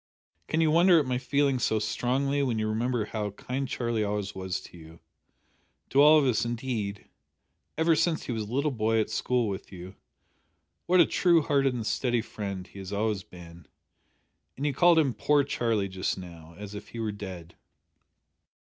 "Can you wonder at my feeling so strongly when you remember how kind Charlie always was to you to all of us indeed ever since he was a little boy at school with you; what a true hearted and steady friend he has always been. And you called him poor Charlie just now, as if he were dead."